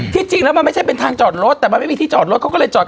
ที่จริงแล้วมันไม่ใช่เป็นทางจอดรถแต่มันไม่มีที่จอดรถ